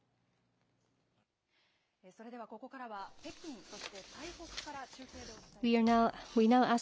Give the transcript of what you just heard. それではここからは、北京、そして台北から中継でお伝えしていきます。